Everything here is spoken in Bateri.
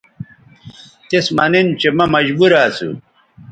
تِس مہ نِن چہءمہ مجبورہ اسُو